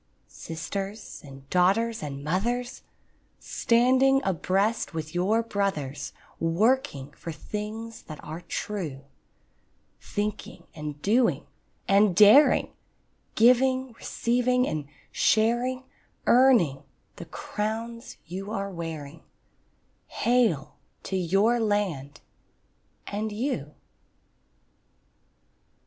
Sisters and daughters and mothers, Standing abreast with your brothers, Working for things that are true; Thinking and doing and daring, Giving, receiving, and sharing, Earning the crowns you are wearing— Hail to your land and you!